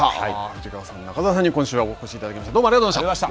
藤川さん、中澤さんに今週はお越しいただきました。